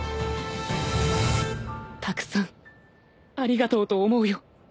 たくさんありがとうと思うよ